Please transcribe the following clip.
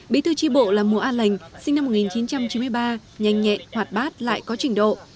bí thư tri bộ là mùa an lành sinh năm một nghìn chín trăm chín mươi ba nhanh nhẹn hoạt bát lại có trình độ